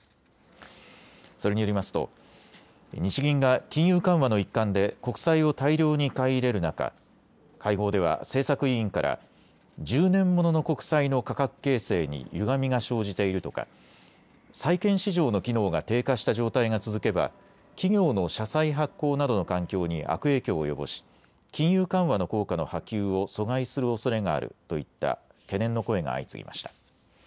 それによりますと日銀が金融緩和の一環で国債を大量に買い入れる中、会合では政策委員から１０年ものの国債の価格形成にゆがみが生じているとか債券市場の機能が低下した状態が続けば企業の社債発行などの環境に悪影響を及ぼし金融緩和の効果の波及を阻害するおそれがあるといった懸念の声が相次ぎました。